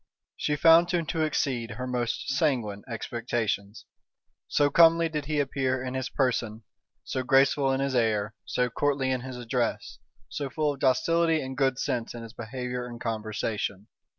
She found him to exceed her most sanguine expectations; so comely did he appear in his person, so graceful in his air, so courtly in his address, so full of docility and good sense in his behavior and conversation.